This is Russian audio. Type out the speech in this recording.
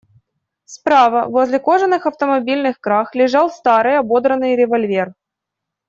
Справа, возле кожаных автомобильных краг, лежал старый, ободранный револьвер.